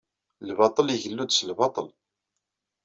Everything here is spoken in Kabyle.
Lbaṭel igellu-d s lbaṭel.